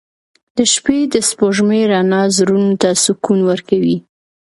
• د شپې د سپوږمۍ رڼا زړونو ته سکون ورکوي.